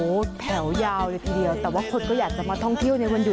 โอ้โหแถวยาวเลยทีเดียวแต่ว่าคนก็อยากจะมาท่องเที่ยวในวันหยุด